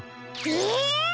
え！？